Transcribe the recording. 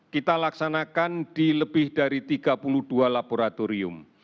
kita laksanakan di lebih dari tiga puluh dua laboratorium